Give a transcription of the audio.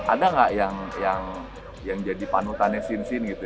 ada nggak yang jadi panutannya sinsin gitu